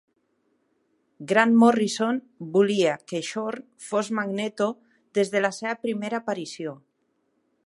Grant Morrison volia que Xorn fos Magneto des de la seva primera aparició.